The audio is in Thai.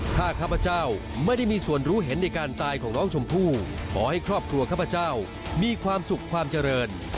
ถ้าข้าพเจ้าไม่ได้มีส่วนรู้เห็นในการตายของน้องชมพู่ขอให้ครอบครัวข้าพเจ้ามีความสุขความเจริญ